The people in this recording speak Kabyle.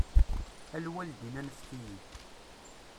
A lwaldin anfet-iyi.